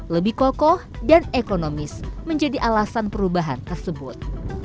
lebih kokoh dan ekonomis menjadi alasan perubahan tersebut